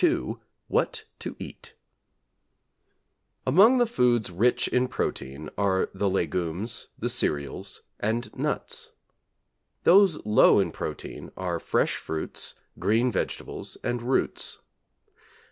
] II WHAT TO EAT Among the foods rich in protein are the legumes, the cereals, and nuts. Those low in protein are fresh fruits, green vegetables, and roots.